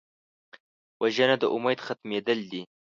وژنه د امید ختمېدل دي